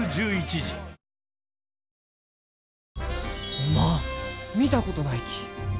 おまん見たことないき。